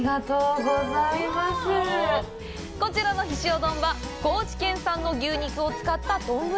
こちらのひしお丼は高知県の牛肉を使った丼！